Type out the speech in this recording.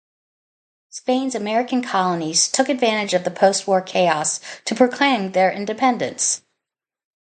Spain's American colonies took advantage of the postwar chaos to proclaim their independence.